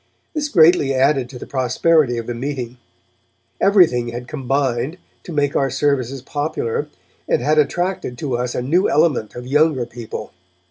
This greatly added to the prosperity of the meeting. Everything had combined to make our services popular, and had attracted to us a new element of younger people.